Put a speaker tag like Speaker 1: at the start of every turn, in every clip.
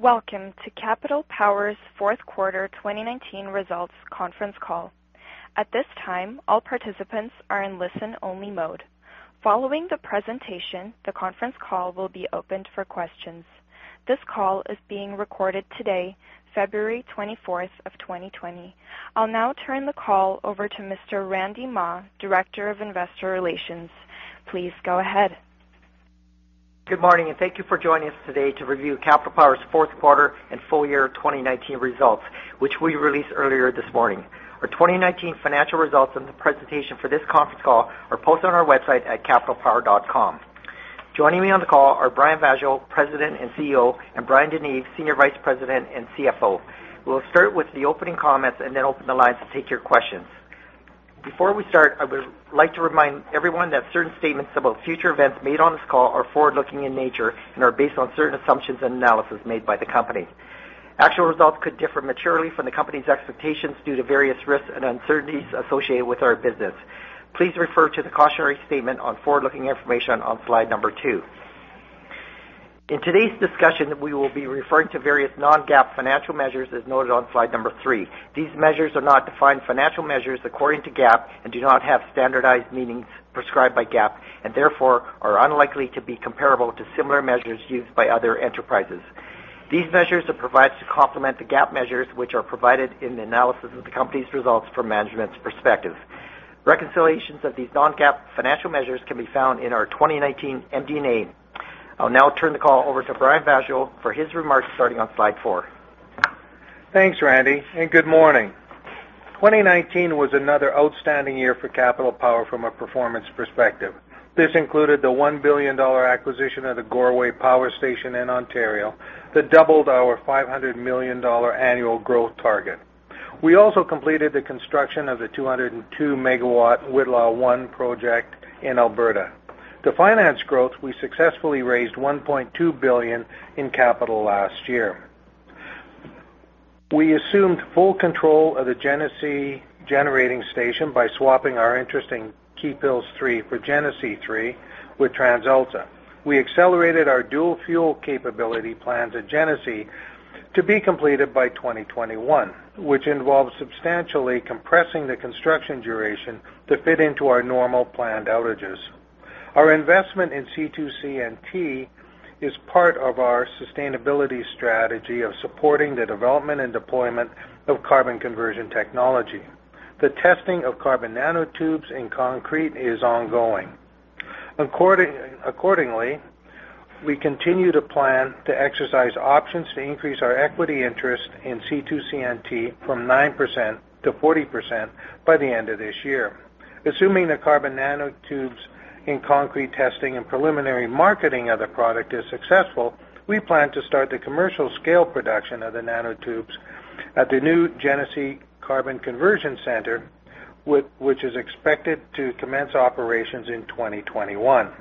Speaker 1: Welcome to Capital Power's fourth quarter 2019 results conference call. At this time, all participants are in listen-only mode. Following the presentation, the conference call will be opened for questions. This call is being recorded today, February 24th of 2020. I'll now turn the call over to Mr. Randy Mah, Director of Investor Relations. Please go ahead.
Speaker 2: Good morning, and thank you for joining us today to review Capital Power's fourth quarter and full year 2019 results, which we released earlier this morning. Our 2019 financial results and the presentation for this conference call are posted on our website at capitalpower.com. Joining me on the call are Brian Vaasjo, President and CEO; and Bryan DeNeve, Senior Vice President and CFO. We'll start with the opening comments and then open the lines to take your questions. Before we start, I would like to remind everyone that certain statements about future events made on this call are forward-looking in nature and are based on certain assumptions and analysis made by the company. Please refer to the cautionary statement on forward-looking information on slide number two. In today's discussion, we will be referring to various non-GAAP financial measures, as noted on slide number three. These measures are not defined financial measures according to GAAP and do not have standardized meanings prescribed by GAAP and therefore are unlikely to be comparable to similar measures used by other enterprises. These measures are provided to complement the GAAP measures which are provided in the analysis of the company's results from management's perspective. Reconciliations of these non-GAAP financial measures can be found in our 2019 MD&A. I'll now turn the call over to Brian Vaasjo for his remarks, starting on slide four.
Speaker 3: Thanks, Randy, and good morning. 2019 was another outstanding year for Capital Power from a performance perspective. This included the 1 billion dollar acquisition of the Goreway Power Station in Ontario that doubled our 500 million dollar annual growth target. We also completed the construction of the 202 MW Whitla 1 project in Alberta. To finance growth, we successfully raised 1.2 billion in capital last year. We assumed full control of the Genesee generating station by swapping our interest in Keephills 3 for Genesee 3 with TransAlta. We accelerated our dual-fuel capability plan to Genesee to be completed by 2021, which involves substantially compressing the construction duration to fit into our normal planned outages. Our investment in C2CNT is part of our sustainability strategy of supporting the development and deployment of carbon conversion technology. The testing of carbon nanotubes in concrete is ongoing. Accordingly, we continue to plan to exercise options to increase our equity interest in C2CNT from 9% to 40% by the end of this year. Assuming the carbon nanotubes in concrete testing and preliminary marketing of the product is successful, we plan to start the commercial-scale production of the nanotubes at the new Genesee Carbon Conversion Center, which is expected to commence operations in 2021.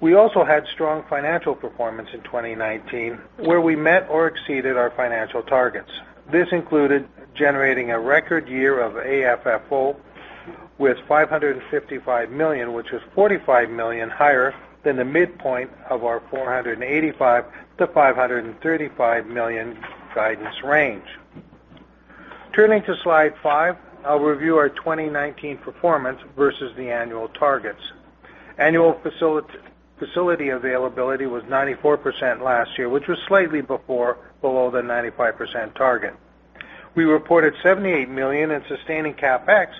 Speaker 3: We also had strong financial performance in 2019, where we met or exceeded our financial targets. This included generating a record year of AFFO with 555 million, which is 45 million higher than the midpoint of our 485 million-535 million guidance range. Turning to slide five, I'll review our 2019 performance versus the annual targets. Annual facility availability was 94% last year, which was slightly below the 95% target. We reported 78 million in sustaining CapEx,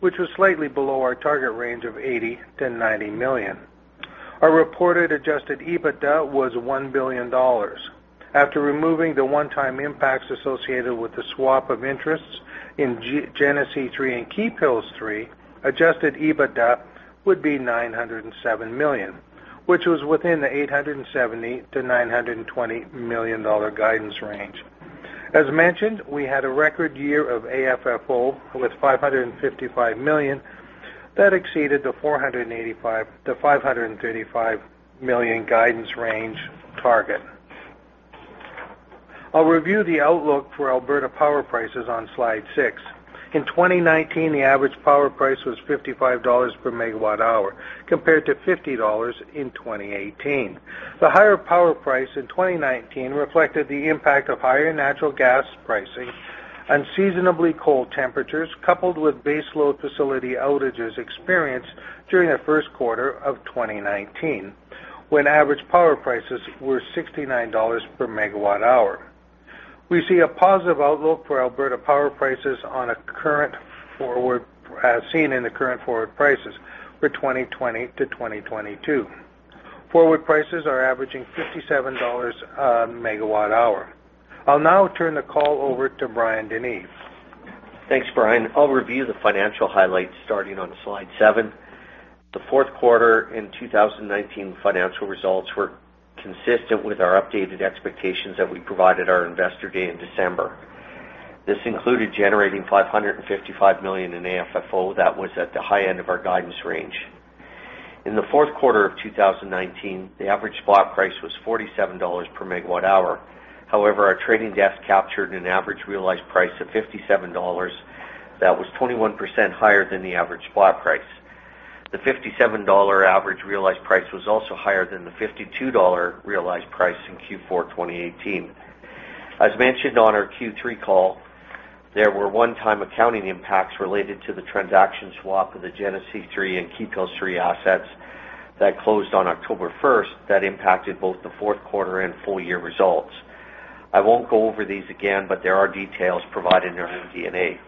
Speaker 3: which was slightly below our target range of 80 million-90 million. Our reported Adjusted EBITDA was 1 billion dollars. After removing the one-time impacts associated with the swap of interests in Genesee 3 and Keephills 3, Adjusted EBITDA would be 907 million, which was within the 870 million-920 million dollar guidance range. As mentioned, we had a record year of AFFO with 555 million. That exceeded the 485 million-535 million guidance range target. I'll review the outlook for Alberta power prices on slide six. In 2019, the average power price was 55 dollars per MWh compared to 50 dollars in 2018. The higher power price in 2019 reflected the impact of higher natural gas pricing, unseasonably cold temperatures, coupled with baseload facility outages experienced during the first quarter of 2019, when average power prices were 69 dollars per MWh. We see a positive outlook for Alberta power prices as seen in the current forward prices for 2020 to 2022. Forward prices are averaging 57 dollars a megawatt hour. I'll now turn the call over to Bryan DeNeve.
Speaker 4: Thanks, Brian. I'll review the financial highlights starting on slide seven. The fourth quarter in 2019 financial results were consistent with our updated expectations that we provided our Investor Day in December. This included generating 555 million in AFFO. That was at the high end of our guidance range. In the fourth quarter of 2019, the average spot price was 47 dollars per MWh. Our trading desk captured an average realized price of 57 dollars. That was 21% higher than the average spot price. The 57 dollar average realized price was also higher than the 52 dollar realized price in Q4 2018. As mentioned on our Q3 call, there were one-time accounting impacts related to the transaction swap of the Genesee 3 and Keephills 3 assets that closed on October 1st that impacted both the fourth quarter and full-year results. I won't go over these again, but there are details provided in our MD&A.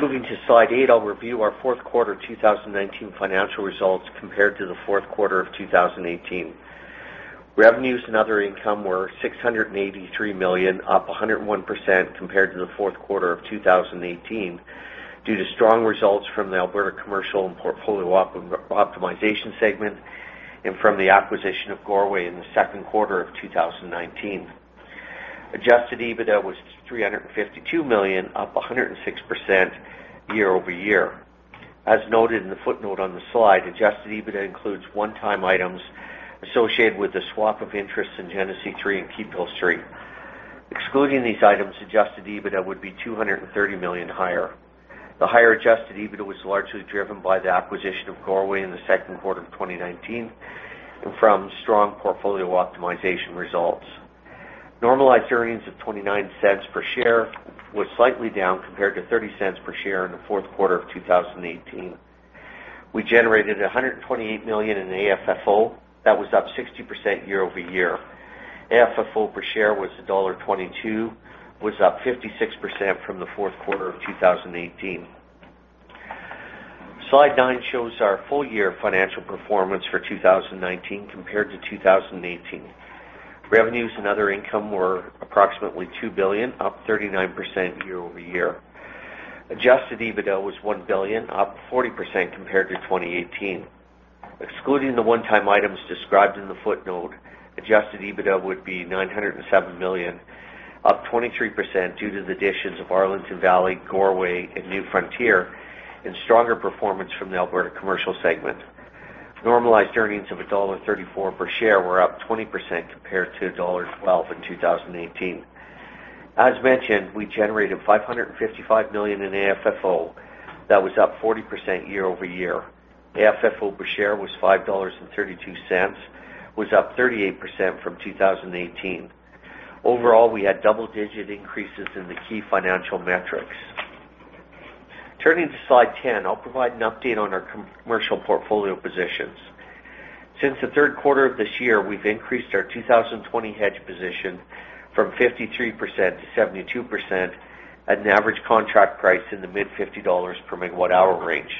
Speaker 4: Moving to slide eight, I'll review our fourth quarter 2019 financial results compared to the fourth quarter of 2018. Revenues and other income were 683 million, up 101% compared to the fourth quarter of 2018, due to strong results from the Alberta Commercial and Portfolio Optimization Segment and from the acquisition of Goreway in the second quarter of 2019. Adjusted EBITDA was 352 million, up 106% year-over-year. As noted in the footnote on the slide, Adjusted EBITDA includes one-time items associated with the swap of interests in Genesee 3 and Keephills 3. Excluding these items, Adjusted EBITDA would be 230 million higher. The higher Adjusted EBITDA was largely driven by the acquisition of Goreway in the second quarter of 2019 and from strong portfolio optimization results. Normalized earnings of 0.29 per share were slightly down compared to 0.30 per share in the fourth quarter of 2018. We generated 128 million in AFFO. That was up 60% year-over-year. AFFO per share was dollar 1.22, was up 56% from the fourth quarter of 2018. Slide nine shows our full-year financial performance for 2019 compared to 2018. Revenues and other income were approximately 2 billion, up 39% year-over-year. Adjusted EBITDA was 1 billion, up 40% compared to 2018. Excluding the one-time items described in the footnote, Adjusted EBITDA would be 907 million, up 23% due to the additions of Arlington Valley, Goreway, and New Frontier and stronger performance from the Alberta Commercial segment. Normalized earnings of dollar 1.34 per share were up 20% compared to dollar 1.12 in 2018. As mentioned, we generated 555 million in AFFO. That was up 40% year-over-year. AFFO per share was CAD 5.32, was up 38% from 2018. Overall, we had double-digit increases in the key financial metrics. Turning to slide 10, I'll provide an update on our commercial portfolio positions. Since the third quarter of this year, we've increased our 2020 hedge position from 53% to 72% at an average contract price in the mid-CAD 50 per MWh range.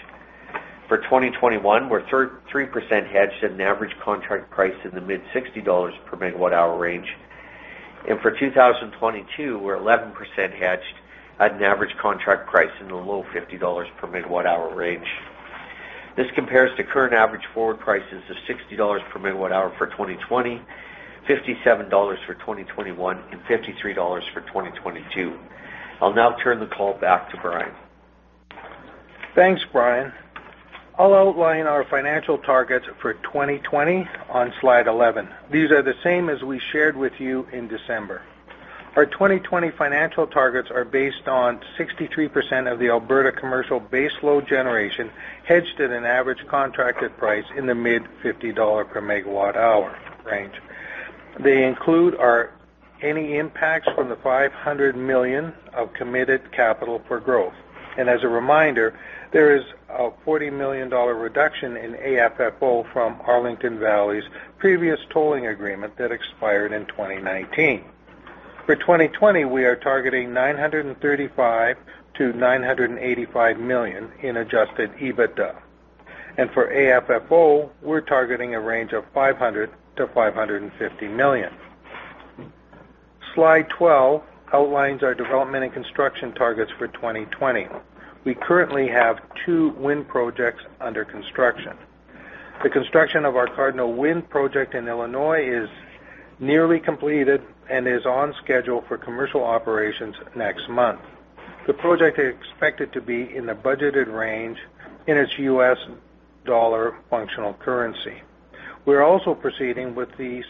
Speaker 4: For 2021, we're 3% hedged at an average contract price in the mid-CAD 60 per MWh range. For 2022, we're 11% hedged at an average contract price in the low 50 dollars per MWh range. This compares to current average forward prices of 60 dollars per MWh for 2020, CAD 57 for 2021, and 53 dollars for 2022. I'll now turn the call back to Brian.
Speaker 3: Thanks, Brian Vaasjo. I'll outline our financial targets for 2020 on slide 11. These are the same as we shared with you in December. Our 2020 financial targets are based on 63% of the Alberta commercial base load generation hedged at an average contracted price in the mid-CAD 50 per MWh range. They include any impacts from the 500 million of committed capital for growth. As a reminder, there is a 40 million dollar reduction in AFFO from Arlington Valley's previous tolling agreement that expired in 2019. For 2020, we are targeting 935 million-985 million in Adjusted EBITDA. For AFFO, we're targeting a range of 500 million-550 million. Slide 12 outlines our development and construction targets for 2020. We currently have two wind projects under construction. The construction of our Cardinal Wind project in Illinois is nearly completed and is on schedule for commercial operations next month. The project is expected to be in the budgeted range in its U.S. dollar functional currency. We're also proceeding with the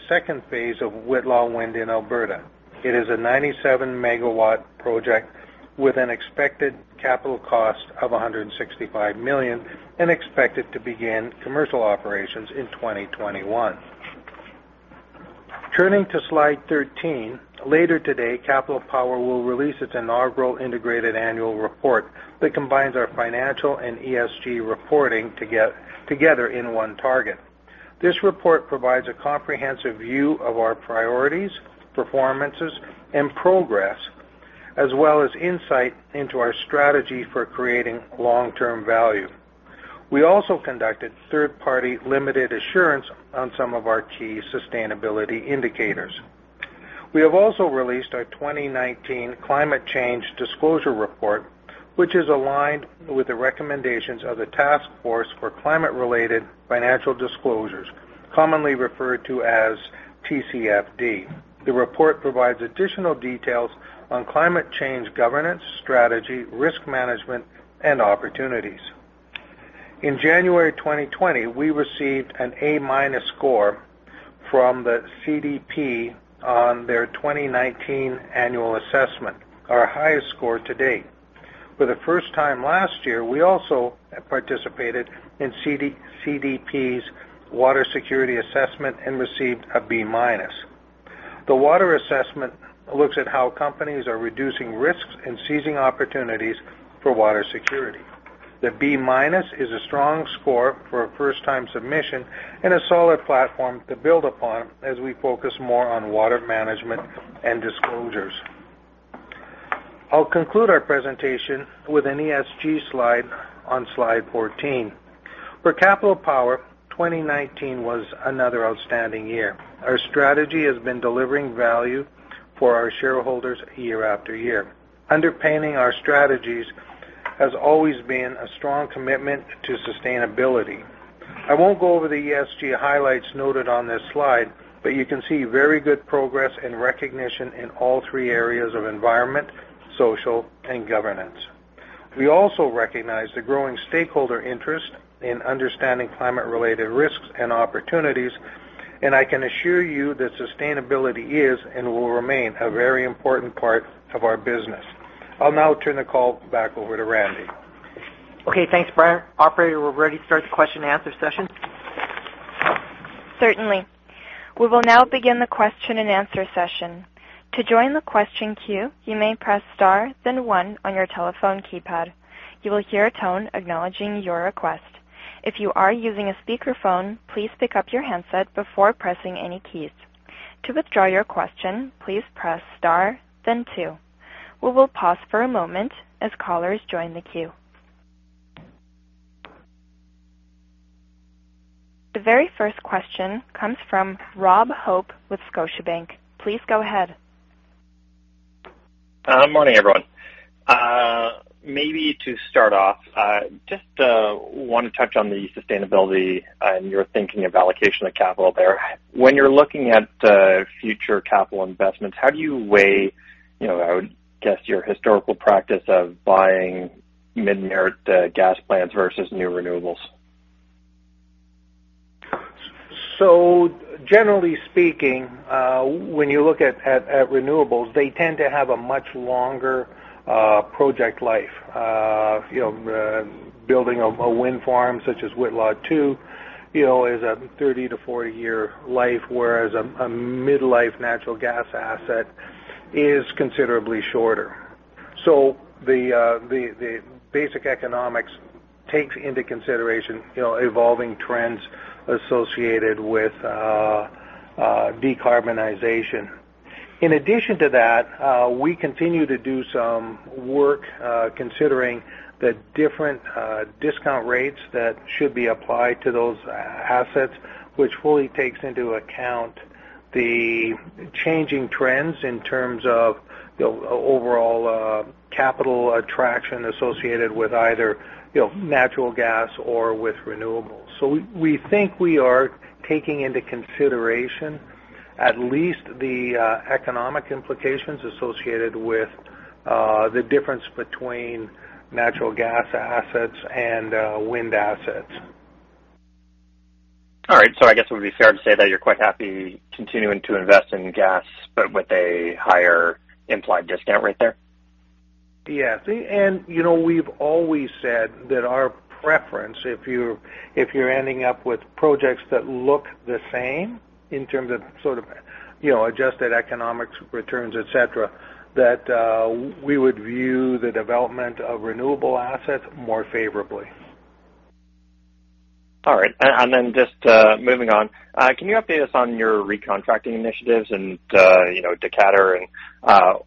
Speaker 3: phase II of Whitla Wind in Alberta. It is a 97 MW project with an expected capital cost of 165 million and expected to begin commercial operations in 2021. Turning to slide 13, later today, Capital Power will release its inaugural integrated annual report that combines our financial and ESG reporting together in one target. This report provides a comprehensive view of our priorities, performances, and progress, as well as insight into our strategy for creating long-term value. We also conducted third-party limited assurance on some of our key sustainability indicators. We have also released our 2019 climate change disclosure report, which is aligned with the recommendations of the Task Force on Climate-related Financial Disclosures, commonly referred to as TCFD. The report provides additional details on climate change governance, strategy, risk management, and opportunities. In January 2020, we received an A- score from the CDP on their 2019 annual assessment, our highest score to date. For the first time last year, we also participated in CDP's Water Security assessment and received a B-. The water assessment looks at how companies are reducing risks and seizing opportunities for water security. The B- is a strong score for a first-time submission and a solid platform to build upon as we focus more on water management and disclosures. I'll conclude our presentation with an ESG slide on slide 14. For Capital Power, 2019 was another outstanding year. Our strategy has been delivering value for our shareholders year after year. Underpinning our strategies has always been a strong commitment to sustainability. I won't go over the ESG highlights noted on this slide, but you can see very good progress and recognition in all three areas of environment, social, and governance. We also recognize the growing stakeholder interest in understanding climate-related risks and opportunities, and I can assure you that sustainability is and will remain a very important part of our business. I'll now turn the call back over to Randy.
Speaker 2: Okay, thanks, Brian. Operator, we're ready to start the question and answer session.
Speaker 1: Certainly. We will now begin the question and answer session. To join the question queue, you may press star then one on your telephone keypad. You will hear a tone acknowledging your request. If you are using a speakerphone, please pick up your handset before pressing any keys. To withdraw your question, please press star then two. We will pause for a moment as callers join the queue. The very first question comes from Rob Hope with Scotiabank. Please go ahead.
Speaker 5: Morning, everyone. Maybe to start off, just want to touch on the sustainability and your thinking of allocation of capital there. When you're looking at future capital investments, how do you weigh, I would guess, your historical practice of buying mid-merit gas plants versus new renewables?
Speaker 3: Generally speaking, when you look at renewables, they tend to have a much longer project life. Building a wind farm, such as Whitla 2, is a 30-40 year life, whereas a mid-life natural gas asset is considerably shorter. The basic economics takes into consideration evolving trends associated with decarbonization. In addition to that, we continue to do some work considering the different discount rates that should be applied to those assets, which fully takes into account the changing trends in terms of overall capital attraction associated with either natural gas or with renewables. We think we are taking into consideration at least the economic implications associated with the difference between natural gas assets and wind assets.
Speaker 5: I guess it would be fair to say that you're quite happy continuing to invest in gas, but with a higher implied discount right there?
Speaker 3: Yeah. We've always said that our preference, if you're ending up with projects that look the same in terms of sort of adjusted economics, returns, et cetera, that we would view the development of renewable assets more favorably.
Speaker 5: All right. Just moving on, can you update us on your recontracting initiatives and Decatur and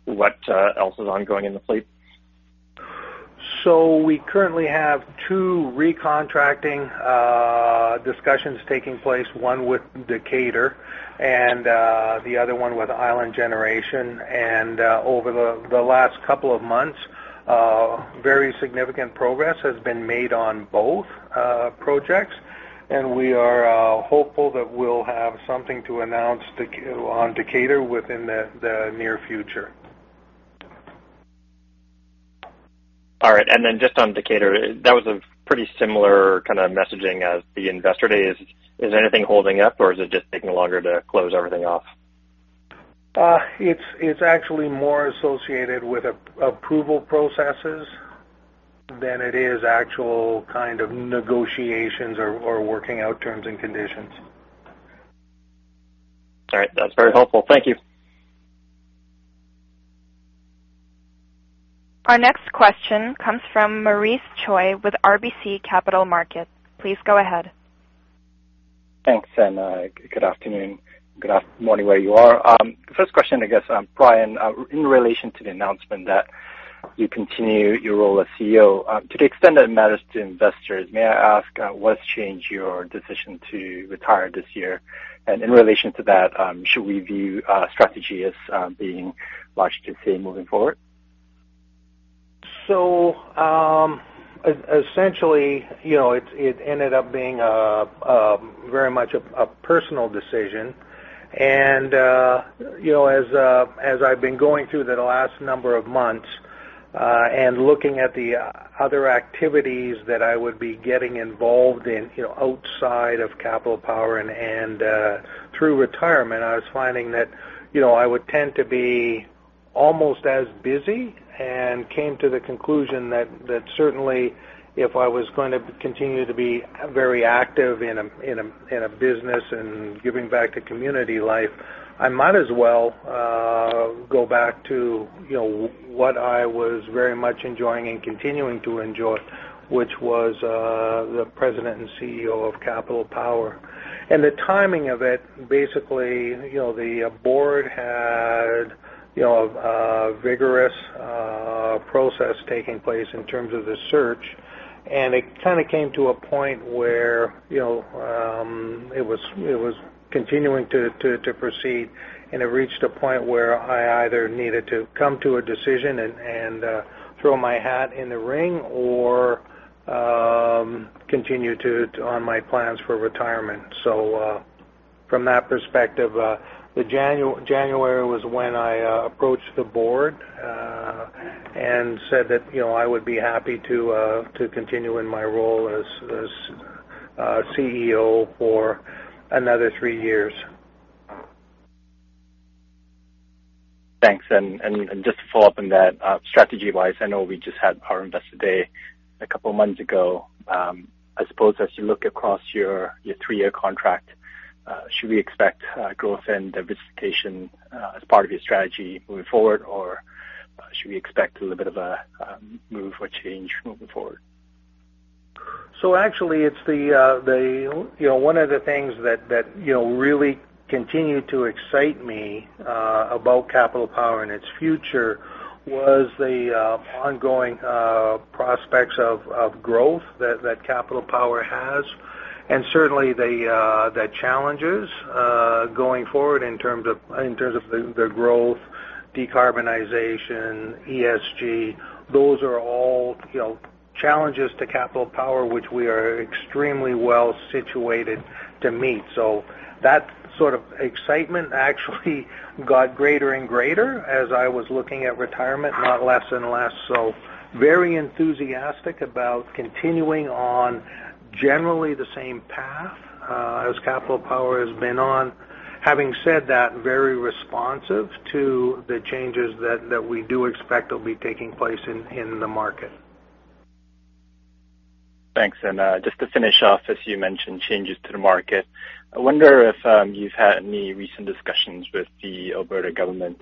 Speaker 5: what else is ongoing in the fleet?
Speaker 3: We currently have two recontracting discussions taking place, one with Decatur and the other one with Island Generation. Over the last couple of months, very significant progress has been made on both projects, and we are hopeful that we'll have something to announce on Decatur within the near future.
Speaker 5: All right. Then just on Decatur, that was a pretty similar kind of messaging as the investor day. Is anything holding up or is it just taking longer to close everything off?
Speaker 3: It's actually more associated with approval processes than it is actual kind of negotiations or working out terms and conditions.
Speaker 5: All right. That's very helpful. Thank you.
Speaker 1: Our next question comes from Maurice Choy with RBC Capital Markets. Please go ahead.
Speaker 6: Thanks. Good afternoon. Good morning, where you are. First question, I guess, Brian, in relation to the announcement that you continue your role as CEO. To the extent that it matters to investors, may I ask what's changed your decision to retire this year? In relation to that, should we view strategy as being largely the same moving forward?
Speaker 3: Essentially, it ended up being very much a personal decision. As I've been going through the last number of months, and looking at the other activities that I would be getting involved in outside of Capital Power and through retirement, I was finding that I would tend to be almost as busy, and came to the conclusion that certainly, if I was going to continue to be very active in a business and giving back to community life, I might as well go back to what I was very much enjoying and continuing to enjoy, which was the President and CEO of Capital Power. The timing of it, basically, the board had a vigorous process taking place in terms of the search, and it kind of came to a point where it was continuing to proceed, and it reached a point where I either needed to come to a decision and throw my hat in the ring or continue on my plans for retirement. From that perspective, January was when I approached the board, and said that I would be happy to continue in my role as CEO for another three years.
Speaker 6: Thanks. Just to follow up on that, strategy-wise, I know we just had our Investor Day a couple of months ago. I suppose as you look across your three-year contract, should we expect growth and diversification as part of your strategy moving forward, or should we expect a little bit of a move or change moving forward?
Speaker 3: Actually, one of the things that really continued to excite me about Capital Power and its future was the ongoing prospects of growth that Capital Power has. Certainly the challenges, going forward in terms of the growth, decarbonization, ESG, those are all challenges to Capital Power which we are extremely well-situated to meet. That sort of excitement actually got greater and greater as I was looking at retirement, not less and less. Very enthusiastic about continuing on generally the same path as Capital Power has been on. Having said that, very responsive to the changes that we do expect will be taking place in the market.
Speaker 6: Thanks. Just to finish off, as you mentioned, changes to the market. I wonder if you've had any recent discussions with the Alberta Government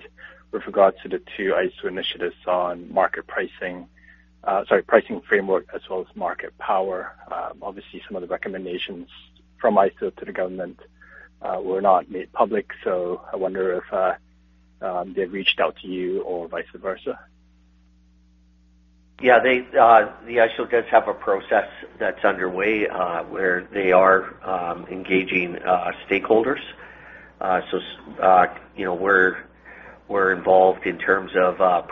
Speaker 6: with regards to the two AESO initiatives on market pricing framework as well as market power? Obviously, some of the recommendations from AESO to the Government were not made public. I wonder if they've reached out to you or vice versa?
Speaker 3: Yeah. The AESO does have a process that's underway, where they are engaging stakeholders. We're involved in terms of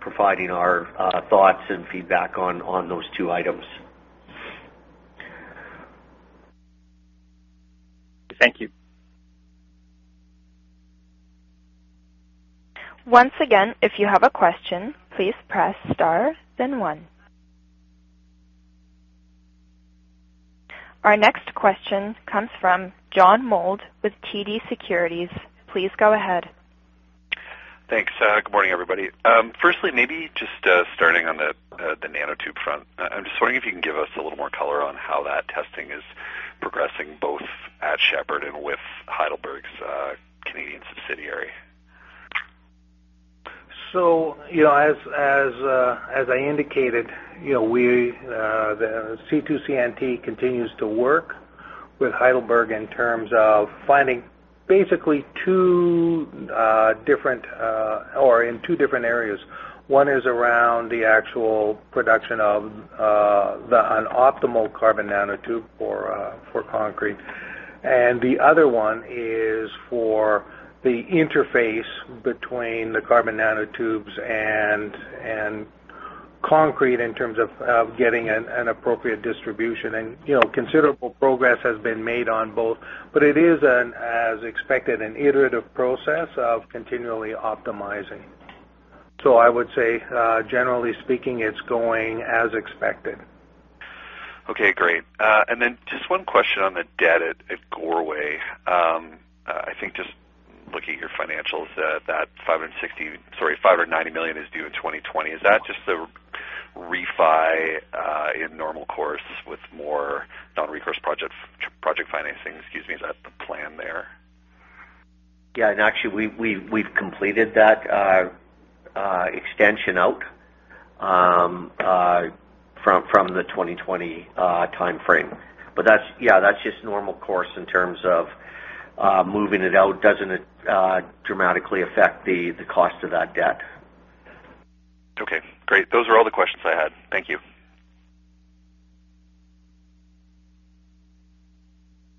Speaker 3: providing our thoughts and feedback on those two items.
Speaker 6: Thank you.
Speaker 1: Once again, if you have a question, please press star, then one. Our next question comes from John Mould with TD Securities. Please go ahead.
Speaker 7: Thanks. Good morning, everybody. Maybe just starting on the nanotube front. I'm just wondering if you can give us a little more color on how that testing is progressing, both at Shepard and with Heidelberg's Canadian subsidiary?
Speaker 3: As I indicated, the C2CNT continues to work with Heidelberg in terms of finding basically in two different areas. One is around the actual production of an optimal carbon nanotube for concrete. The other one is for the interface between the carbon nanotubes and concrete in terms of getting an appropriate distribution. Considerable progress has been made on both, but it is, as expected, an iterative process of continually optimizing. I would say, generally speaking, it's going as expected.
Speaker 7: Okay, great. Just one question on the debt at Goreway. I think just looking at your financials, that 590 million is due in 2020. Is that just the refi in normal course with more non-recourse project financing, excuse me, is that the plan there?
Speaker 3: Yeah, actually we've completed that extension out from the 2020 timeframe. That's, yeah, that's just normal course in terms of moving it out. Doesn't dramatically affect the cost of that debt.
Speaker 7: Okay, great. Those are all the questions I had. Thank you.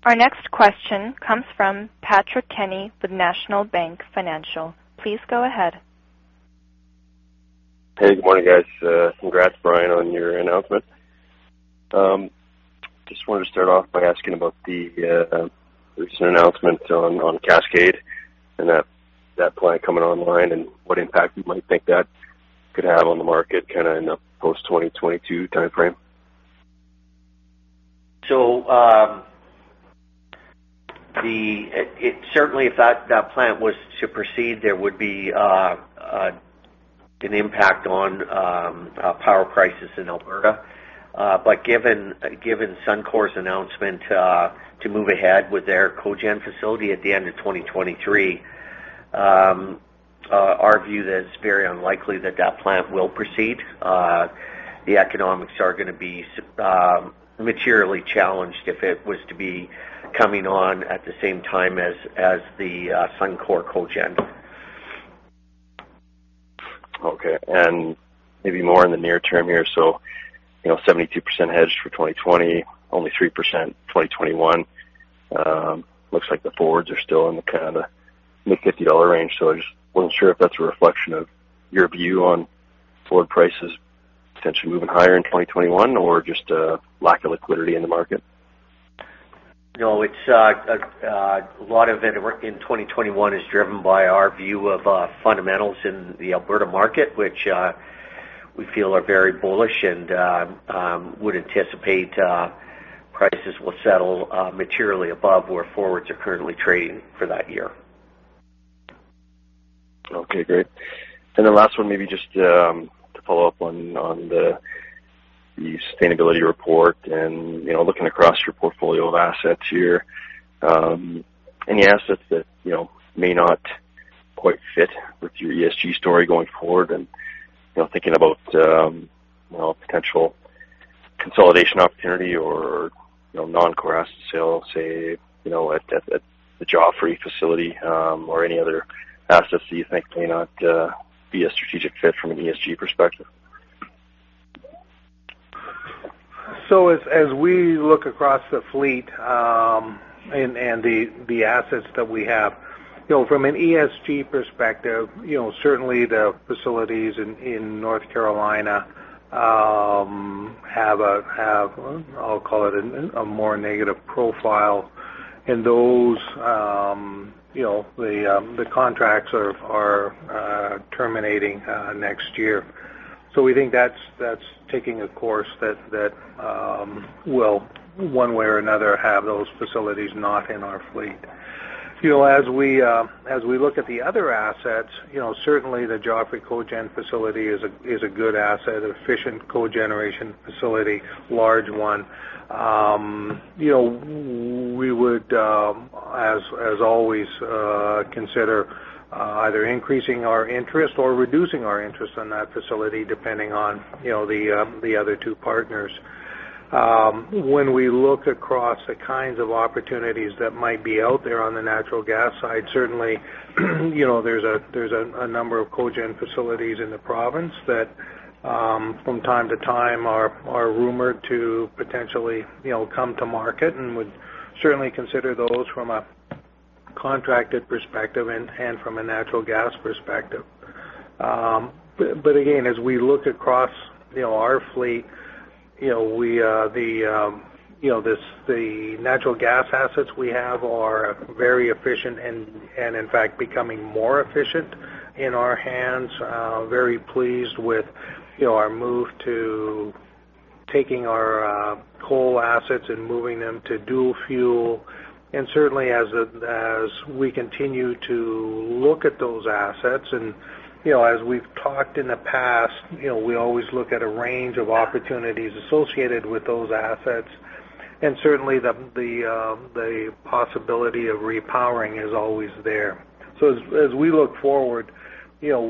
Speaker 1: Our next question comes from Patrick Kenny with National Bank Financial. Please go ahead.
Speaker 8: Hey, good morning, guys. Congrats, Brian, on your announcement. Just wanted to start off by asking about the recent announcement on Cascade and that plant coming online and what impact you might think that could have on the market in a post-2022 timeframe.
Speaker 4: Certainly if that plant was to proceed, there would be an impact on power prices in Alberta. Given Suncor's announcement to move ahead with their cogen facility at the end of 2023, our view that it's very unlikely that plant will proceed. The economics are going to be materially challenged if it was to be coming on at the same time as the Suncor cogen.
Speaker 8: Okay. Maybe more in the near term here. 72% hedged for 2020, only 3% 2021. Looks like the forwards are still in the mid-CAD 50 range. I just wasn't sure if that's a reflection of your view on forward prices potentially moving higher in 2021 or just a lack of liquidity in the market.
Speaker 4: No, a lot of it in 2021 is driven by our view of fundamentals in the Alberta market, which we feel are very bullish and would anticipate prices will settle materially above where forwards are currently trading for that year.
Speaker 8: Okay, great. Last one, maybe just to follow up on the sustainability report and looking across your portfolio of assets here. Any assets that may not quite fit with your ESG story going forward and thinking about potential consolidation opportunity or non-core asset sale, say, at the Joffre facility or any other assets that you think may not be a strategic fit from an ESG perspective?
Speaker 3: As we look across the fleet and the assets that we have, from an ESG perspective, certainly the facilities in North Carolina have, I'll call it, a more negative profile. Those, the contracts are terminating next year. We think that's taking a course that will one way or another have those facilities not in our fleet. We look at the other assets, certainly the Joffre Cogen Facility is a good asset, an efficient cogeneration facility, large one. We would, as always, consider either increasing our interest or reducing our interest in that facility, depending on the other two partners. When we look across the kinds of opportunities that might be out there on the natural gas side, certainly, there's a number of cogen facilities in the province that from time to time are rumored to potentially come to market and would certainly consider those from a contracted perspective and from a natural gas perspective. Again, as we look across our fleet, the natural gas assets we have are very efficient and in fact, becoming more efficient in our hands. Very pleased with our move to taking our coal assets and moving them to dual-fuel. Certainly as we continue to look at those assets, and as we've talked in the past, we always look at a range of opportunities associated with those assets. Certainly the possibility of repowering is always there. As we look forward, we will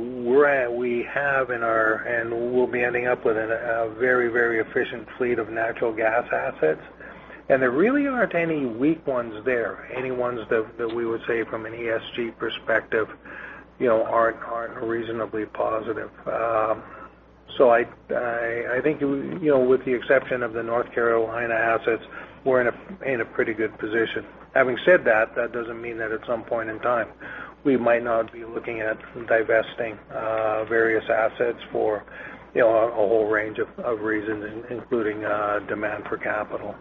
Speaker 3: be ending up with a very efficient fleet of natural gas assets. There really aren't any weak ones there. Any ones that we would say from an ESG perspective aren't reasonably positive. I think with the exception of the North Carolina assets, we're in a pretty good position. Having said that doesn't mean that at some point in time, we might not be looking at divesting various assets for a whole range of reasons, including demand for capital.